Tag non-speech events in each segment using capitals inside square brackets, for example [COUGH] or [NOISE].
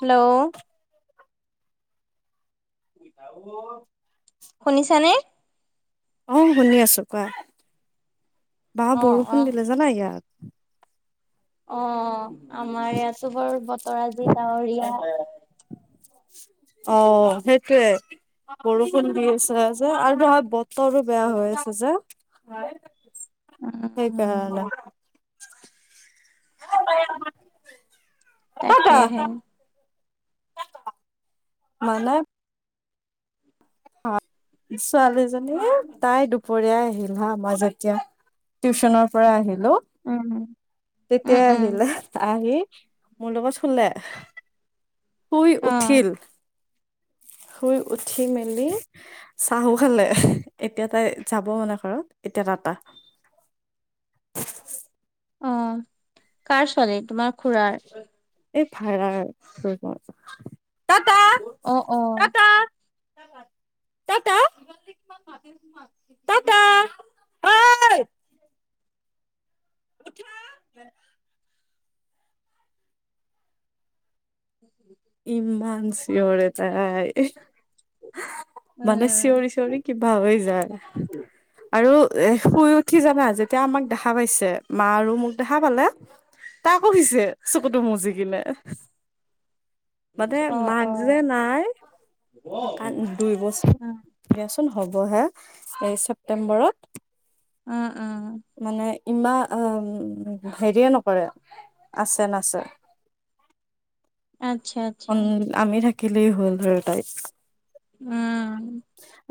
Hello. শুনিছানে? অ', শুনি আছো কোৱা। বা অ', বৰষুণ অ', দিলে জানা ইয়াত। অ', আমাৰ ইয়াতো বাৰু বতৰ আজি ডাৱৰীয়া। অ', সেইটোৱে। বৰষুণ দি আছে যে আৰু ধৰা বতৰো বেয়া হৈ আছে যে উম, সেইকাৰণে। [INAUDIBLE] তাকেহে। মানে ছোৱালীজনী তাই দুপৰীয়াই আহিল হা মই যেতিয়া টিউচনৰ পৰা আহিলো। উম। উম, তেতিয়াই উম, আহিলে আহি মোৰ লগত শুলে। শুই অ', উঠিল, শুই উঠি মেলি চাহো খালে এতিয়া তাই যাব মানে ঘৰত এতিয়া টা টা। অ', কাৰ ছোৱালী তোমাৰ খুৰাৰ? এই ভাৰৰ। অ', অ'। টাটা টাটা। ঐ [UNINTELLIGIBLE] [UNINTELLIGIBLE] ইমান চিঞৰে তাই, মানে উম, চিঞৰি চিঞৰি কিবা হয় যায়। আৰু এ শুই উঠি জানা যেতিয়া আমাক দেখা পাইছে, মা আৰু মোক দেখা পালে তাই আকৌ শুইছে চকুতো মুচি কিনে। মানে অ', মাক যে অ'। নাই ক দুই বছৰ উম। দিয়াচোন হ'ব হে এই ছেপ্তেম্বৰত উম উম। মানে ইমান হেৰিয়ে নকৰে আছে নাচ। আচ্ছা। আচ্ছা, আমি থাকিলেই হল ধৰ তাইক। উম'।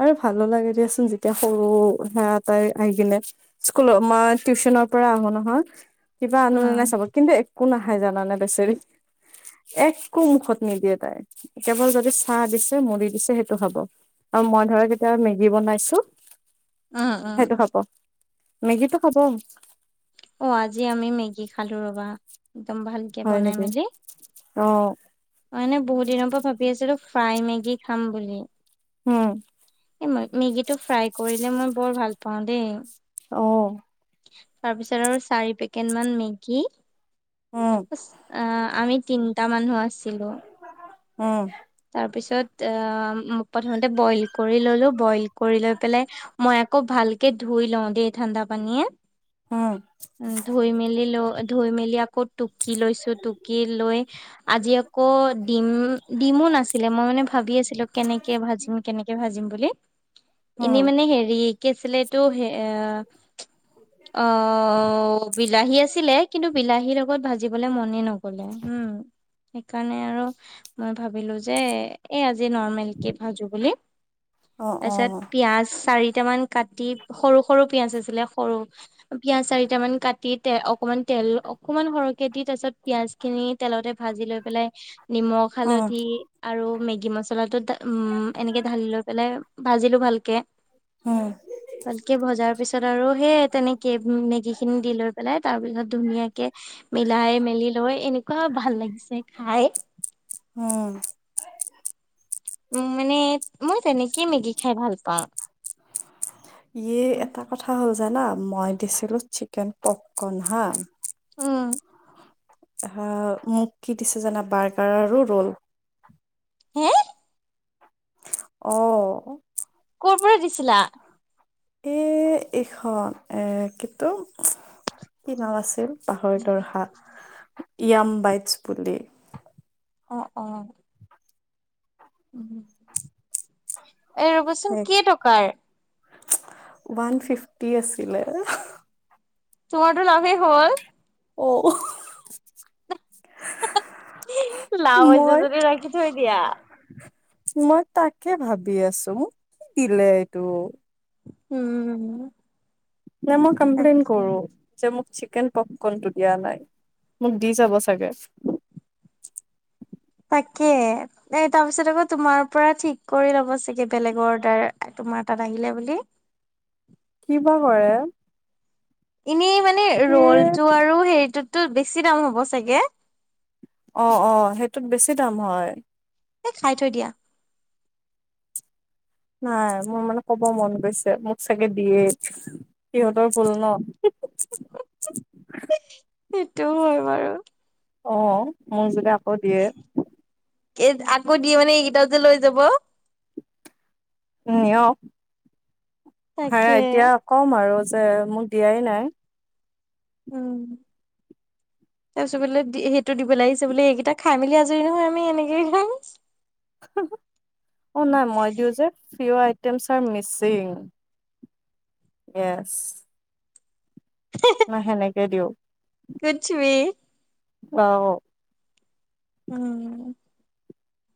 আৰু ভালো লাগে দিয়াচোন যেতিয়া সৰু [UNINTELLIGIBLE] তাই আহি কিনে স্কুলত মই টিউচনৰ পৰা আহো নহয়, কিবা আনো নাই উম। চাব কিন্তু একো নাখাই জানানে বেচেৰি একো মুখত নিদিয়ে তাই, কেৱল যদি চাহ দিছে মুৰি দিছে সেইটো খাব। আৰু মই ধৰা কেতিয়াবা মেগী বনাইছোঁ, উম, সেইটো উম, খাব। মেগীটো খাব। অ', আজি আমি মেগি খালো ৰ'বা একদম ভাল হয় নেকি? অ', মই মানে বহুত দিনৰ পৰা ভাবি আছিলো ফ্ৰাই মেগী খাম বুলি উম এই মেগীটো ফ্ৰাই কৰিলে মই বৰ ভাল পাওঁ দেই। অ', তাৰপিছত আৰু চাৰি পেকেট মান মেগী উম অ', আমি তিনটা মানুহ আছিলো। উম তাৰ পিছত আহ, মোক প্ৰথমতে বইল কৰি ল'লো, বইল কৰি লৈ পেলাই মই আকৌ ভালকে ধুই লওঁ দেই ঠাণ্ডা পানীয়ে উম ধুই মেলি, ল ধুই মেলি আকৌ টুকি লৈছোঁ, টুকি লৈ আজি আকৌ দিম দিমো নাছিলে মই মানে ভাবি আছিলোঁ কেনেকে ভাজিম, কেনেকে ভাজিম বুলি এনে উম মানে হেৰি কি আছিলে, অ' বিলাহী আছিলে কিন্তু, বিলাহীৰ লগত ভাজিবলে মনে নক ক'লে, হম সেইকাৰণে আৰু মই ভাবিলোঁ যে, এই আজি নৰ্মেল কে ভাজোঁ বুলি অ অ তাৰপিছত পিয়াঁজ চাৰিটামান কাটি সৰু সৰু পিয়াঁজ আছিলে সৰু পিয়াঁজ চাৰিটা মান কাটি তে অকনমান তেল অকনমান সৰহকে দি তাৰ পিছত পিয়াঁজ খিনি তেলতে ভাজি লৈ পেলাই নিমখ উম হালধি আৰু মেগী মছলাটো এনেকে ঢালি লৈ পেলাই ভাজিলোঁ ভালকে উম ভালকে ভজাৰ পিছত আৰু সেই তেনেকে মেগী খিনি দি লৈ পেলাই, তাৰ পিছত ধুনীয়াকে মিলাই মেলি লৈ এনেকুৱা ভাল লাগিছে, খাই। উম। উম, মানে মই তেনেকে মেগি খাই ভাল পাওঁ। ইয়ে এটা কথা হ'ল জানা, মই দিছিলো চিকেন পককন হা। উম। [UNINTELLIGIBLE] মোক কি দিছে জানা, বাৰ্গাৰ আৰু ৰোল হে অ'। ক'ৰ পৰা দিছিলা? এই এইখন এ [UNINTELLIGIBLE] কি নাম আছিল [UNINTELLIGIBLE] য়াম বাইটছ বুলি অ', অ'। উম, এ ৰ'বচোন এক কেই টকাৰ? ওৱান ফিফটি আছিলে। তোমাৰটো লাভেই হ'ল। [UNINTELLIGIBLE] লাভ হৈছে মই যদি ৰাখি থৈ দিয়া। মই তাকে ভাবি আছো, মোক কি দিলে এইটো। উম। নে মই কমপ্লেইন্ট তাকে কৰো? যে মোক চিকেন পপকনটো দিয়া নাই, মোক দি যাব চাগে। তাকে। এ তাৰ পিছত আকৌ তোমাৰ পৰা ঠিক কৰি ল'ব চাগে, বেলেগৰ অৰ্ডাৰ তোমাৰ তাত আহিলে বুলি। কিবা কৰে? এনেই মানে এ ৰলটো আৰু হেৰিটোতো বেছি দাম হ'ব চাগে? অ', অ', সেইটোত বেছি দাম হয়। এ খাই থৈ দিয়া। নাই মোৰ মানে ক'ব মন গৈছে, মোক চাগে দিয়ে। সিহঁতৰ ভুল নহ। সেইটোও হয় বাৰু। অ', মোৰ [UNINTELLIGIBLE] আকৌ দিয়ে। এই আকৌ দিয়ে মানে, এইকেইটা যে লৈ যাব। [UNINTELLIGIBLE] তাকে এতিয়া কম আৰু যে মোক দিয়াই নাই। উম। তাৰ পিছত বোলে সেইটো দিব লাগিছে বোলি, এইকেইটা খাই মেলি আজৰি নহয় আমি এনেকে অ', নাই মই দিওঁ যে [UNINTELLIGIBLE] আইটেমছ আৰ মিচিং। ইয়েছ। না সেনেকে দিওঁ? [UNINTELLIGIBLE] অ', অ'। উম।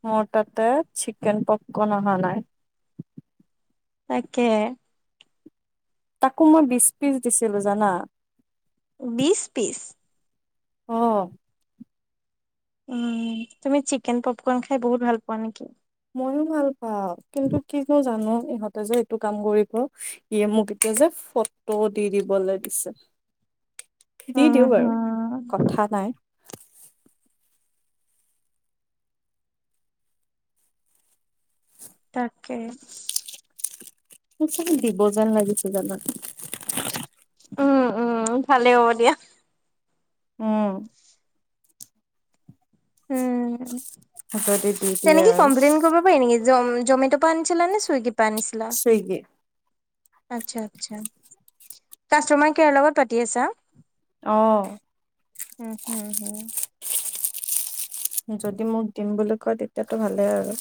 মোৰ তাতে, চিকেন পপকন আহা নাই। তাকে। তাকো মই বিশ পিচ দিছিলো জানা? বিশ পিচ? অ'। উম, তুমি চিকেন পপকৰ্ খাই বহুত ভাল পোৱা নেকি? মইও ভাল পাওঁ, কিন্তু কিনো জান ইহঁত এ যে এইটো কাম কৰিব, [UNINTELLIGIBLE] মোক এতিয়া যে ফটো দি দিবলৈ দিছে। [INAUDIBLE] খেদি উম দিওঁ বাৰু, হম কথা নাই। তাকে। মোক চাগে দিব যেন লাগিছিল, জানা উম, উম, ভালে হ'ব দিয়া। উম, উম, হাততে দি দিয়ে তেনেকেই আৰু কমপ্লেইন কৰিব নেকি, জয়, জমেটপে আনিছিলা নে, চুইগি, পা আনিছিলা? চুইগি আচ্ছা, আচ্ছা, কাষ্টমাৰ কেয়াৰ লগত পাতি আছা? অ, উম, হম, উম। যদি মোক দিম বুলি কয়, তেতিয়াতো ভালে আৰু।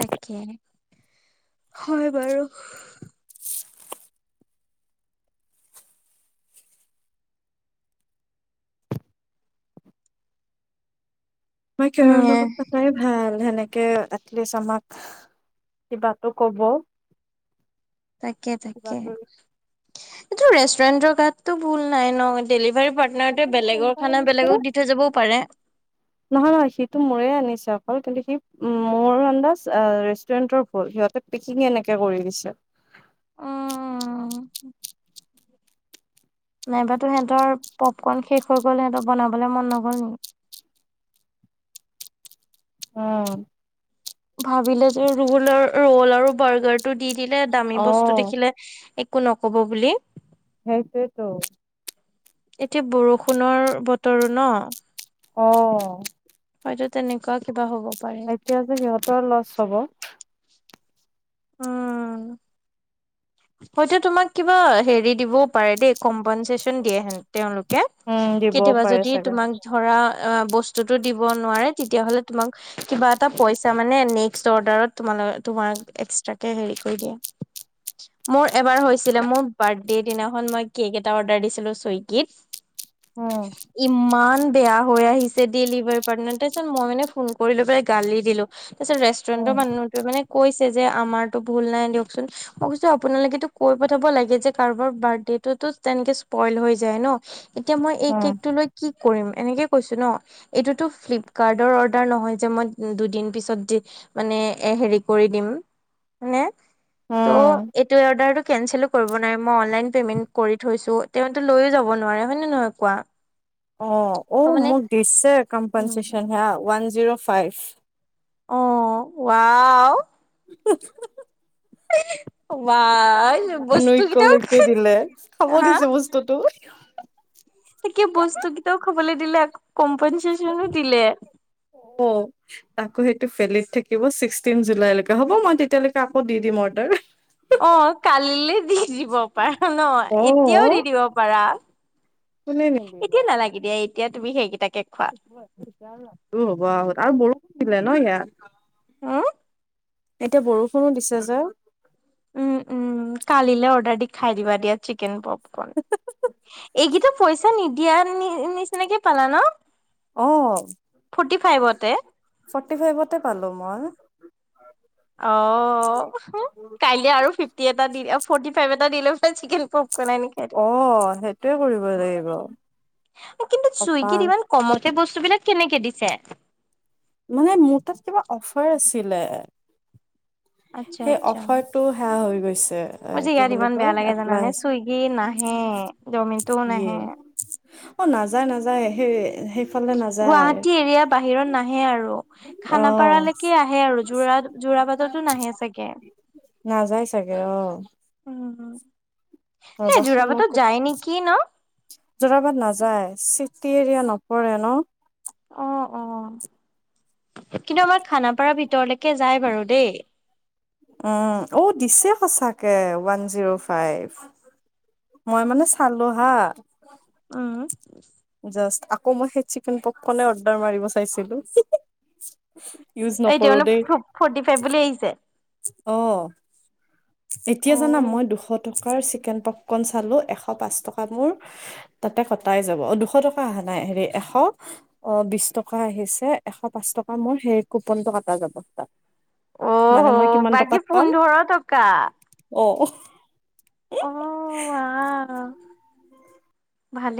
তাকে, হয় বাৰু। মই খেৰৰ উম লগত পাতাই ভাল, সেনেক কে, এলিষ্ট আমাক কিবাটো ক'ব। তাকে, তাকে কিবাতো এইটো ৰেষ্টুৰেণ্টৰ গাতটো ভুল নাই ন, ডেলিভাৰী পাৰ চাগে ল'ৰাটোৱে মোৰ বেলেগৰ এনেকুৱা খানা, বেলেগক দি থৈ যাবও পাৰে। নহয়-নহয়, সিটো মোৰে আনিছে অকল কিন্তু সি মোৰ আন্দাজ ৰেষ্টুৰেণ্টৰ ভুল সিহঁতে [UNINTELLIGIBLE] এনেকে কৰি দিছে। উম, নাইবা তো, সিহঁতৰ পপকৰ্ন শেষ হৈ গ'ল, সিহঁতৰ বনাবলৈ মন নগ'ল নেকি? উম, ভাবিলে যে ৰোল-ৰোল আৰু বাৰ্গাৰটো দি দিলে, দামী অ বস্তু দেখিলে একো নক'ব বুলি। [INAUDIBLE] এতিয়া বৰষুণৰ বতৰো ন, অ, [UNINTELLIGIBLE] হয়টো তেনেকুৱা কিবা হ'ব পাৰে। এতিয়া যে সিহঁতৰ ল'চ হ'ব। উম, প, তোমাক কিবা হেৰি দিবও পাৰে দেই, কম্পনচেচন দিয়ে হেন তেওঁলোকে উম দিবও কেতিয়াবা পাৰে যদি চাগে তোমাক ধৰা বস্তুটো দিব নোৱাৰে, তেতিয়াহ'লে তোমাক কিবা এটা পইচা নেকচত অৰ্ডাৰত তোমালো-তোমাক এক তাকে, হেৰি কৰি দিয়া। মোৰ এবাৰ হৈছিলে বাৰ্থদে দিনাখন কেক এটা অৰ্ডাৰ দিছিলো চই ক [INAUDIBLE] অ, ইমান বেয়া হৈ আহিছে, ডেলিভাৰী পাৰ্টনাৰ, তাৰপছত মই মানে ফোন কৰিলো পেলাই গালি দিলো। তাৰপিছত ৰেষ্টুৰেন্টৰ উম মানুহটোৱে মানে কৈছে যে, আমাৰতো ভুল নাই দিয়কচোন। মই কৈছো আপোনালোকেতো কৈ পঠাব লাগে যে, কাৰোবাৰ বাৰ্থডো তেনেকে স্পইল হৈ যায় ন। এতিয়া মই এই উম কেকটো লৈ কি কৰিম, এনেকে কৈছো ন। এইটোতো ফ্লিপকাৰ্টৰ অৰ্ডাৰ নহয় যে, মই দুদিন পিছত দি মানে হেৰি কৰি দিম, হয়নে ত, উম এইটো অৰ্ডাৰটো কেনচেল ও কৰিব নোৱাৰে মই অনলাইনত পেমেণ্ট কৰি থৈছো, তেওঁ টো লৈ যাব নোৱাৰে হয় নে নহয় কোৱা। অ, অ, ত' মোক দিছে মানে কম্পনচচন সে ওৱান জিৰ' ফাইভ। অ, ৱাও [INAUDIBLE] বা, বস্তু কেইটাও [UNINTELLIGIBLE] ত, তো তাকে বস্তু কেইটাও খাবলৈ দিলে, কম্পেনচে্যনো দিলে। অ, তাকো সেইটো ভেলিত থাকিব ছিক্সটিন জুলাইলৈকে। হ'ব মই তেতিয়ালৈকে আকৌ দি দিম অৰ্ডাৰ। অ কালিলৈ দি দিব পাৰা ন, এতিয়াও অ', দি দিব পাৰা। কোনে নিদিব এতিয়া নালাগে দিয়া এতিয়া তুমি সেইকেইটাকে খোৱা। [UNINTELLIGIBLE] আৰু বৰষুণ দিলে ন ইয়াত। উম এতিয়া বৰষুণো দিছে যে। উম উম কালিলে অৰ্ডাৰ দি খাই দিবা দিয়া চিকেন পপকন। এইক পইচা নিদিয়া নিচিনাকে পালা ন? অ', ফটি ফাইভতে। ফৰ্টি ফাইভতে পালো মই। অ কাল আৰু ফিফটি এটা দি ফৰ্টি ফাইভ এটা দিলে চিকেন পপকন অ সেইটোৱে কৰিব লাগিব। কিন্তু অক চুইগীত ইমান কমতে বস্তু বিলাক কেনেকে দিছে? মানে মোৰ তাত কিবা অফাৰ আছিলে। আচ্ছা সেই আচ্ছা। অফাৰটো সেয়া হৈ গৈছে। এ মোৰ যে কি ইয়াত বুলি ইমান কয় বেয়া লাগে এপ্লাই জানানে, চুইগি নাহে, জমিনটোও ইয়ে নাহে। অ নাযায় নাযায় সেই সেইফালে নাযায় গুৱাহাটী এৰিয়া বাহিৰত নাহে আৰু, অ খানাপাৰালৈকে আহে আৰু জৰা জোৰা পাটতো নাহে চাগে। নাযায় চাগে অ উম। এই জোৰা পাটত যায় নেকি ন? জোৰাবাট নাযায়, চিটি এৰিয়া নপৰে ন। অ অ কিন্তু আমাৰ খানাপাৰ ভিতৰলৈকে যাই বাৰু দেই। উম, অ দিছে সঁচাকে ওৱান জিৰ' ফাইভ। মই মানে চালো হা, উম। জাষ্ট আকৌ মই সেই চিকেন পক খনে অৰ্ডাৰ মাৰিব চাইছিলো। ইউজ এতিয়া নকৰো মানে ফ-ফৰ্টি ফাইভ বুলি আহিছে? অহ। এতিয়া জানা অ' মই দুশ টকাৰ চিকেন পপকণ চালোঁ, এশ পাঁচ টকা মোৰ তাতে কটাই যাব। অ দুশ টকা অহা নাই হেৰি এশ অ বিশ টকা আহিছে, এশ পাঁচ টকা মোৰ সেই কুপনটো কটা যাব তাত। মানে মই কিমান টকাত পাম বা! অহ অ অ আহ ভালে